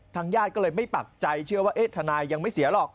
ญาติก็เลยไม่ปักใจเชื่อว่าทนายยังไม่เสียหรอก